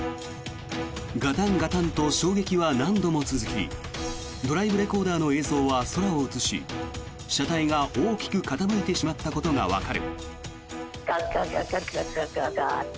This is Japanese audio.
ガタンガタンと衝撃は何度も続きドライブレコーダーの映像は空を映し、車体が大きく傾いてしまったことがわかる。